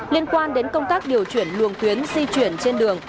liên quan đến công tác điều chuyển luồng tuyến di chuyển trên đường